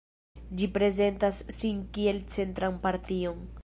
Ĝi prezentas sin kiel centran partion.